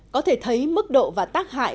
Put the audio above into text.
có thể thấy mức độ và tác hại